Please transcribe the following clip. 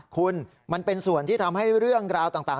คุณมันเป็นส่วนที่ทำให้เรื่องราวต่าง